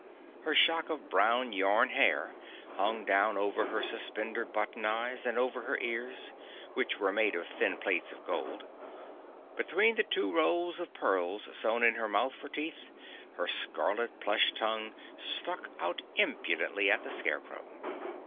Her shock of brown yarn hair hung down over her suspender button eyes and over her ears, which were made of thin plates of gold. Between the two rows of pearls sewn in her mouth for teeth, her scarlet plush tongue stuck out impudently at the Scarecrow.